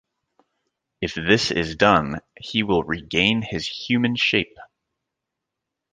If this is done, he will regain his human shape.